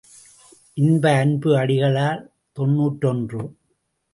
இன்ப அன்பு அடிகளார் தொன்னூற்றொன்று.